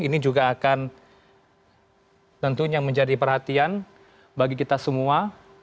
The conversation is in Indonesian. ini juga akan tentunya menjadi perhatian bagi kita semua